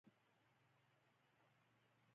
جویل اولیسټن وایي سخت حالات درسونه دي.